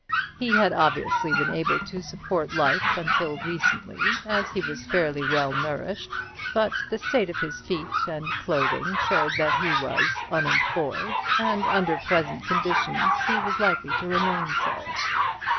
He had obviously been able to support life until recently, as he was fairly well nourished, but the state of his feet and clothing showed that he was unemployed, and under present conditions he was likely to remain so.